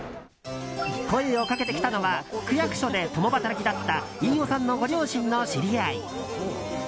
声をかけてきたのは区役所で共働きだった飯尾さんのご両親の知り合い。